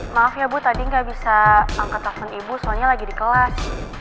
maaf ya bu tadi nggak bisa angkat telepon ibu soalnya lagi di kelas